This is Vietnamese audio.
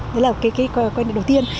đó là quan điểm đầu tiên